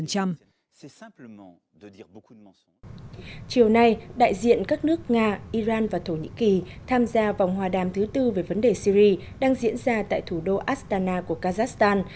chiều nay đại diện các nước nga iran và thổ nhĩ kỳ tham gia vòng hòa đàm thứ tư về vấn đề syri đang diễn ra tại thủ đô astana của kazakhstan